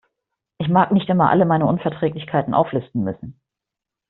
Ich mag nicht immer alle meine Unverträglichkeiten auflisten müssen.